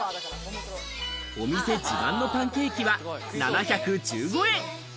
お店自慢のパンケーキは７１５円。